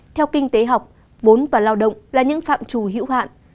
theo kinh tế học vốn và lao động là những phạm trù hữu hạn